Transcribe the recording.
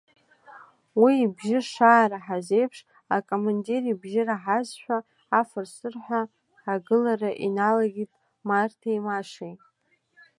Уи ибжьы шаараҳаз еиԥш, акомандир ибжьы раҳазшәа афыр-сырҳәа агылара иналагеит Марҭеи Машеи.